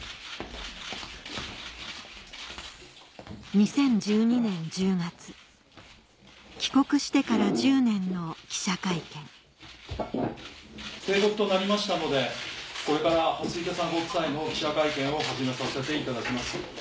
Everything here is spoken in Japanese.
２０１２年１０月帰国してから１０年の記者会見定刻となりましたのでこれから蓮池さんご夫妻の記者会見を始めさせていただきます。